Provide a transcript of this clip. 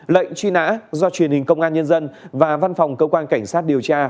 lệnh truy nã do truyền hình công an nhân dân và văn phòng cơ quan cảnh sát điều tra